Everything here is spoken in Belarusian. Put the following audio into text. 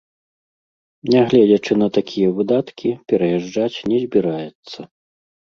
Нягледзячы на такія выдаткі, пераязджаць не збіраецца.